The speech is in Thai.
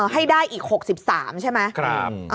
ให้ได้อีก๖๓ใช่ไหม